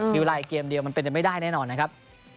เวลาอีกเกมเดียวมันเป็นไปไม่ได้แน่นอนนะครับ